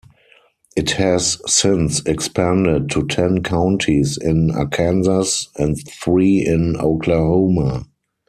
It has since expanded to ten counties in Arkansas and three in Oklahoma.